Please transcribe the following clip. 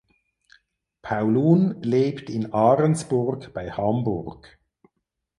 Paulun lebt in Ahrensburg bei Hamburg.